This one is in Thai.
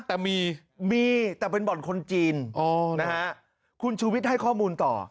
แต่มีมีแต่เป็นบ่อนคนจีนนะฮะคุณชูวิทย์ให้ข้อมูลต่อ